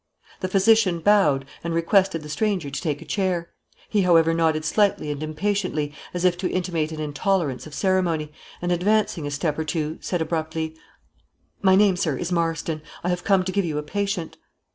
The physician bowed, and requested the stranger to take a chair; he, however, nodded slightly and impatiently, as if to intimate an intolerance of ceremony, and, advancing a step or two, said abruptly "My name, sir, is Marston; I have come to give you a patient."